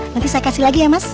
nanti saya kasih lagi ya mas